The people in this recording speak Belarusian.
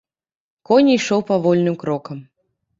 Конь ішоў павольным крокам.